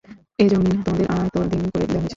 এ যমীন তোমাদের আয়ত্তাধীন করে দেয়া হয়েছে।